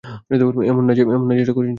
এমন না যে, এটা কঠিন ছিল!